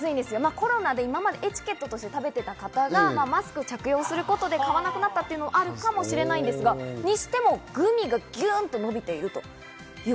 コロナで今までエチケットとして食べていた方がマスクを着用することで買わなくなったのもあるかもしれませんが、にしてもグミがギュンと伸びています。